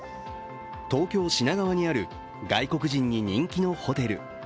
東京・品川にある外国人に人気のホテル。